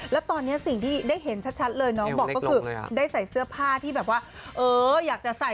แล้วตอนนี้สิ่งที่ได้เห็นชัดเลยน้องบอกก็คือได้ใส่เสื้อผ้าที่แบบว่าเอออยากจะใส่